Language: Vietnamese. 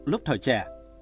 lúc thời trẻ